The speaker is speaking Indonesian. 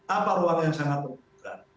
apa ruang yang sangat terbuka